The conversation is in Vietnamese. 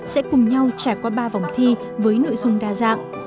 sẽ cùng nhau trải qua ba vòng thi với nội dung đa dạng